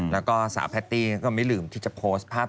แล้วก็สาวแพตตี้ก็ไม่ลืมที่จะโพสต์ภาพ